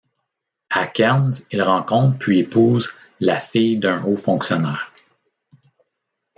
À Kerns il rencontre puis épouse la fille d'un haut fonctionnaire.